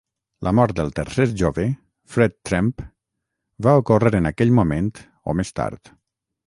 La mort del tercer jove, Fred Tremp, va ocórrer en aquell moment o més tard.